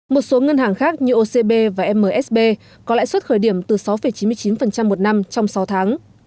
một số ngân hàng khác như ocb và msb có lãi suất khởi điểm từ sáu chín mươi chín một năm trong sáu tháng